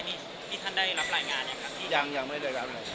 นี่ท่านได้รับรายงานอย่างครับยังยังไม่ได้รับรายงาน